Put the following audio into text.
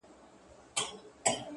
هغې ويله ځمه د سنگسار مخه يې نيسم”